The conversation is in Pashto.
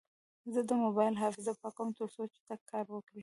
زه د موبایل حافظه پاکوم، ترڅو چټک کار وکړي.